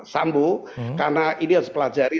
sambu karena ini harus dipelajari